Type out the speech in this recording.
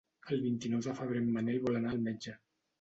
El vint-i-nou de febrer en Manel vol anar al metge.